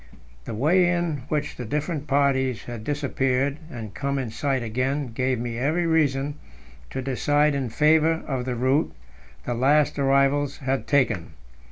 The way in which the different parties had disappeared and come in sight again gave me every reason to decide in favour of the route the last arrivals had taken.